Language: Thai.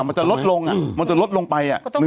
มันจะลดลงมันจะลดลงไป